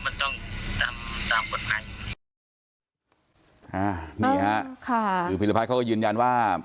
มันต้องตามตามกฎภัยนี่ฮะค่ะคือภีรภัยเขาก็ยืนยันว่า